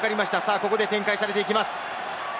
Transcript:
ここで展開されていきます。